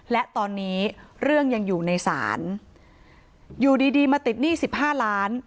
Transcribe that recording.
และตอนนี้เรื่องยังอยู่ในศาลอยู่ดีดีมาติดหนี้สิบห้าล้าน